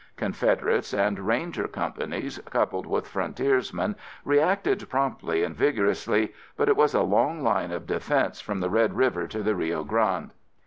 Confederates, and Ranger Companies, coupled with frontiersmen reacted promptly and vigorously, but it was a long line of defense from the Red River to the Rio Grande.